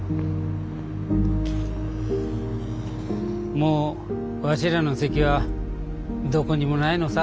もうわしらの席はどこにもないのさ。